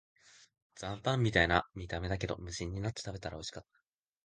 残飯みたいな見た目だけど、無心になって食べたらおいしかった